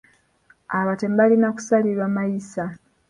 Abatemu balina kusalirwa mayisa.